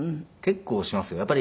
結構しますよ。